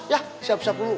ya siap siap dulu